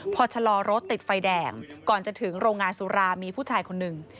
พอชะลอรถติดไฟแดงก่อนจะถึงโรงงานสุรามีผู้ชายคนหนึ่ง